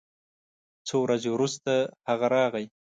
څو ورځې وروسته هغه راغی